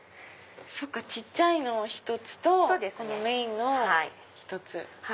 小っちゃいのを１つとメインのを１つ。